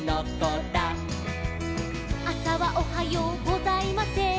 「あさはおはようございません」